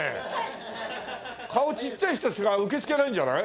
顔ちっちゃい人しか受け付けないんじゃない？